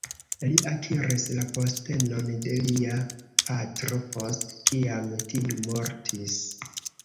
Li akiris la postenon de lia patro post kiam tiu mortis.